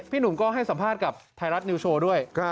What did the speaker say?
หนุ่มก็ให้สัมภาษณ์กับไทยรัฐนิวโชว์ด้วย